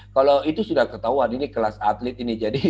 kalau itu sudah ketahuan ini kelas atlet ini